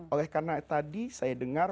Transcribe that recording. oleh karena tadi saya dengar